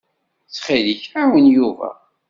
Ttxil-k, ɛawen Yuba.